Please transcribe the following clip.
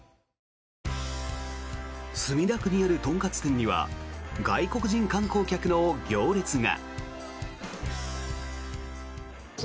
墨田区にある豚カツ店には外国人観光客の行列が。